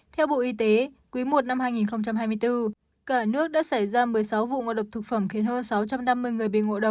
theo bộ y tế quý i năm hai nghìn hai mươi bốn cả nước đã xảy ra một mươi sáu vụ ngộ độc thực phẩm khiến hơn sáu trăm năm mươi người bị ngộ độc